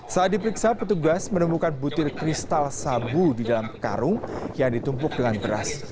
saat diperiksa petugas menemukan butir kristal sabu di dalam karung yang ditumpuk dengan beras